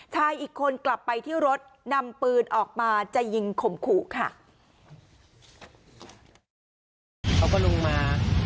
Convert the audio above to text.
อีกคนกลับไปที่รถนำปืนออกมาจะยิงข่มขู่ค่ะ